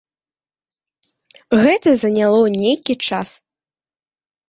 Гэта заняло нейкі час.